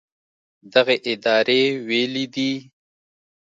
دغې ادارې ویلي دي